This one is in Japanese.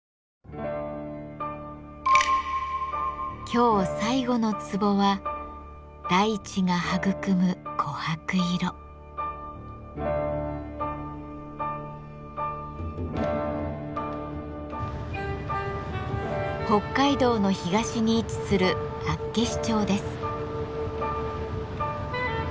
今日最後のツボは北海道の東に位置する厚岸町です。